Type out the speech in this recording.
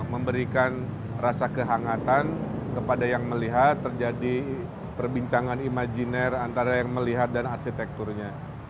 memberikan rasa kehangatan kepada yang melihat terjadi perbincangan imajiner antara yang melihat dan arsitekturnya